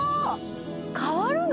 変わるの？